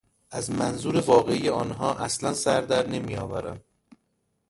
از منظور واقعی آنها اصلا سردر نمیآورم.